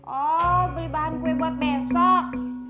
oh beli bahan kue buat besok